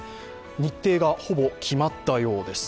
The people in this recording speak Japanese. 日程がほぼ決まったようです。